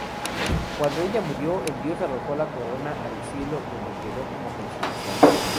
Cuando ella murió, el dios arrojó la corona al cielo donde quedó como constelación.